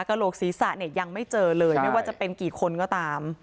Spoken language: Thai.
โหลกศีรษะเนี่ยยังไม่เจอเลยไม่ว่าจะเป็นกี่คนก็ตาม